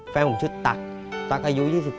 แฟนผมชื่อตั๊กตั๊กอายุ๒๓